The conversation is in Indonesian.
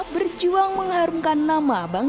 berjuang untuk mencapai kemampuan